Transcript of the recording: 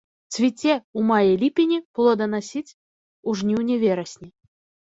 Цвіце у маі-ліпені, плоданасіць у жніўні-верасні.